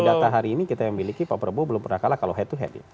data hari ini kita yang miliki pak prabowo belum pernah kalah kalau head to head